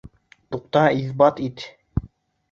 Туҡта, иҫбат ит!